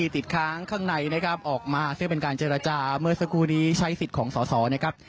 ติดค้างข้างในนะครับออกมาซึ่งเป็นการเจรจาเมื่อสักครู่นี้ใช้สิทธิ์ของสอสอนะครับ